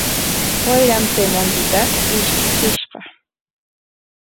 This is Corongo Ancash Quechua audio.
Wayram chay muntita ishkichishqa.